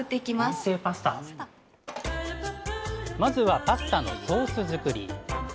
まずはパスタのソース作り。